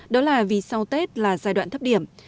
đó là vì sau tết là giai đoạn thấp điểm